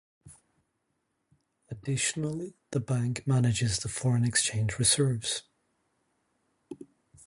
Additionally, the bank manages the Foreign Exchange Reserves.